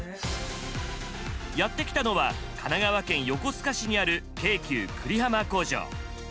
やって来たのは神奈川県横須賀市にある京急久里浜工場。